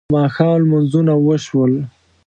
د ماښام لمونځونه وشول.